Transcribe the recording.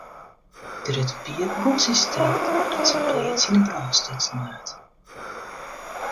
Grutte Pier begûn syn striid nei't syn pleats yn 'e brân stutsen waard.